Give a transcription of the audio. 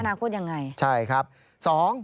แผนอนาคตอย่างไรใช่ครับสอง